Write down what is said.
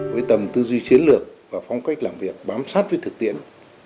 với tầm tư duy chiến lược và phong cách làm việc bám sát với thực tiễn